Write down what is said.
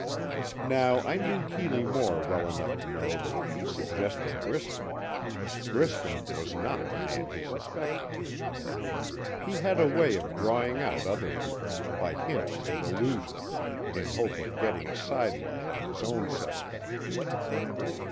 Now I knew Keeley Moore well enough to know that if he suggested Griscom, Griscom was not the man he suspected. He had a way of drawing out other people, by hints and allusions, in hope of getting a side light on his own suspect.